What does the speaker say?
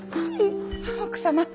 奥様。